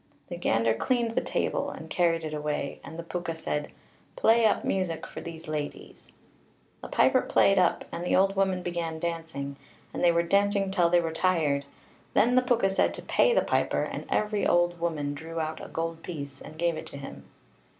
The gander cleaned the table, and carried it away, and the Púca said, "Play up music for these ladies." The piper played up, and the old women began dancing, and they were dancing till they were tired. Then the Púca said to pay the piper, and every old woman drew out a gold piece, and gave it to him.